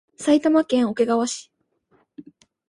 埼玉県桶川市